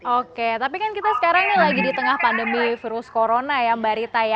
oke tapi kan kita sekarang ini lagi di tengah pandemi virus corona ya mbak rita ya